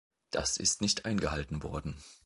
Das ist nicht eingehalten worden.